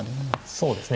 そうですね。